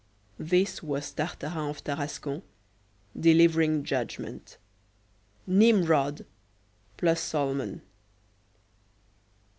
This was Tartarin of Tarascon delivering judgement Nimrod plus Solomon.